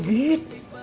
ini kurma ajwa pak ustad